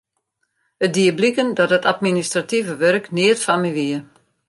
It die bliken dat dat administrative wurk neat foar my wie.